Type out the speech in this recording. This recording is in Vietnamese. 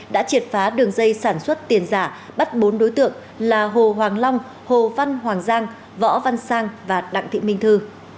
đã triệt phá đường dây sản xuất tiền giả bắt bốn đối tượng là hồ hoàng long hồ văn hoàng giang võ văn sang và đặng thị minh thư